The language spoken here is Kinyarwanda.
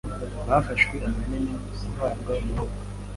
bafashwa ahanini guhabwa umwuka.